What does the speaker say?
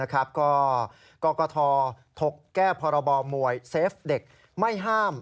ก็กกทถกแก้พรบมวยเซฟเด็กไม่ห้าม